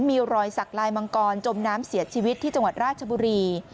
มีรอยสักลายมังกรจมน้ำเสียชีวิตที่จังหวัดราชบุรี